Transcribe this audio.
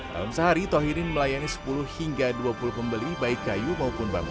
dalam sehari tohirin melayani sepuluh hingga dua puluh pembeli baik kayu maupun bambu